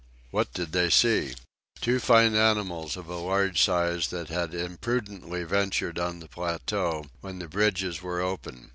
What did they see? Two fine animals of a large size that had imprudently ventured on the plateau, when the bridges were open.